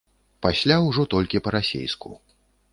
Пасля ўжо толькі па-расейску.